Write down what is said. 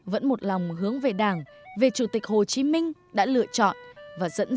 vẫn một lòng hướng về đảng về chủ tịch hồ chí minh đã lựa chọn và dẫn dắt toàn dân tộc việt nam